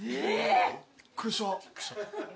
びっくりした。